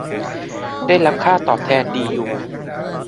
ได้รับค่าตอบแทนดีอยู่